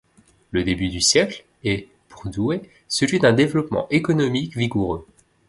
Le début du siècle est pour Douai celui d’un développement économique vigoureux.